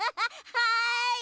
はい。